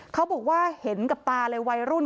เขาบอกว่าเห็นกับตาเลยวัยรุ่น